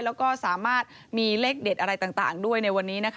แล้วก็สามารถมีเลขเด็ดอะไรต่างด้วยในวันนี้นะคะ